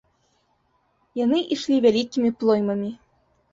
Яны ішлі вялікімі плоймамі.